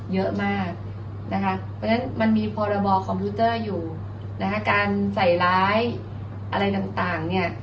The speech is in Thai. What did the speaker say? เยอะมากนะคะเพราะฉะนั้นมันมีพรบคอมพิวเตอร์อยู่นะคะการใส่ร้ายอะไรต่างเนี่ย